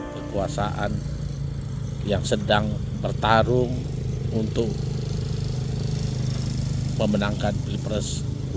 kekuasaan yang sedang bertarung untuk memenangkan pilpres dua ribu dua puluh